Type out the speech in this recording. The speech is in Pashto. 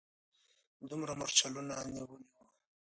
دوی مرچلونه نیولي وو.